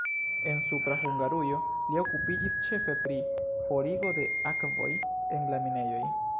En Supra Hungarujo li okupiĝis ĉefe pri forigo de akvoj en la minejoj.